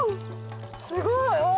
すごい！